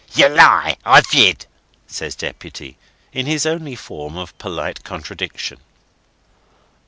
"Yer lie, I did," says Deputy, in his only form of polite contradiction.